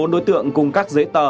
bốn mươi bốn đối tượng cùng các giấy tờ